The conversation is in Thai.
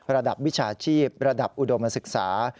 ระดับวิชาชีพระดับอุดมศึกษา